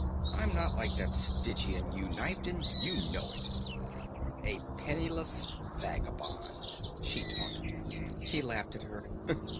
I'm not like that Stygian you knifed, and you know it." "A penniless vagabond," she taunted. He laughed at her.